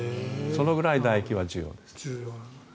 そのくらい、だ液は重要。